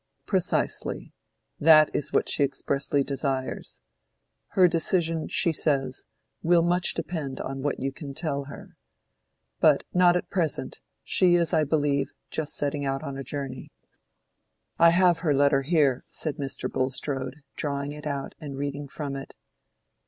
"Precisely; that is what she expressly desires. Her decision, she says, will much depend on what you can tell her. But not at present: she is, I believe, just setting out on a journey. I have her letter here," said Mr. Bulstrode, drawing it out, and reading from it.